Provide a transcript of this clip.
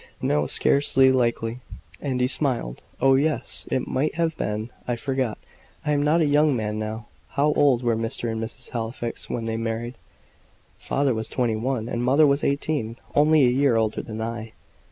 "No, scarcely likely." And he smiled. "Oh, yes it might have been I forget, I am not a young man now. How old were Mr. and Mrs. Halifax when they married?" "Father was twenty one and mother was eighteen only a year older than I."